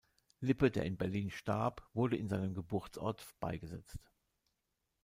Lippe, der in Berlin starb, wurde in seinem Geburtsort beigesetzt.